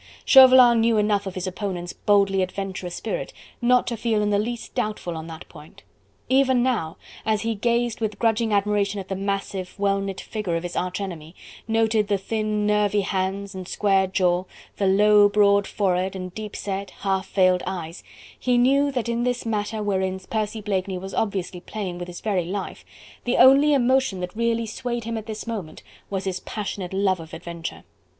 Chauvelin knew enough of his opponent's boldly adventurous spirit not to feel in the least doubtful on that point. Even now, as he gazed with grudging admiration at the massive, well knit figure of his arch enemy, noted the thin nervy hands and square jaw, the low, broad forehead and deep set, half veiled eyes, he knew that in this matter wherein Percy Blakeney was obviously playing with his very life, the only emotion that really swayed him at this moment was his passionate love of adventure.